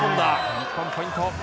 日本、ポイント。